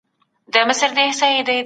څه شی زموږ پټ استعدادونه راویښوي؟